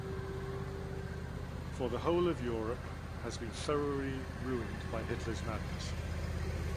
For the whole of Europe has been thoroughly ruined by Hitler's madness.